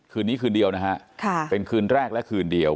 คืนนี้คืนเดียวนะฮะเป็นคืนแรกและคืนเดียว